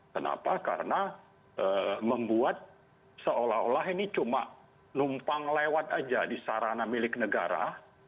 kenapa karena membuat seolah olah ini cuma numpang lewat aja di sarana milik negara